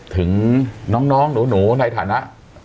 ถึงน้องหนูในฐานะ